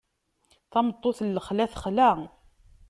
Tameṭṭut n lexla texla.